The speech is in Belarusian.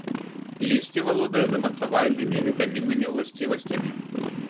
Лісце валодае замацавальнымі, вітаміннымі ўласцівасцямі.